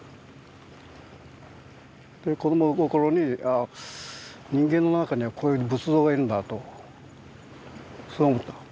子供心に人間の中にはこういう仏像がいるんだとそう思った。